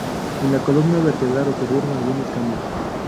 En la columna vertebral ocurrieron algunos cambios.